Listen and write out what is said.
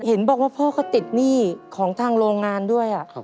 เห็นบอกว่าพ่อก็ติดหนี้ของทางโรงงานด้วย